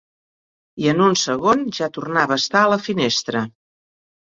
I en un segon ja tornava a estar a la finestra.